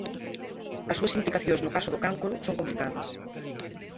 As súas implicacións no caso do cancro son complicadas.